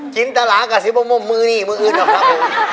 กินตลากับซิบมมมมื้อนี่มื้ออื่นนะครับ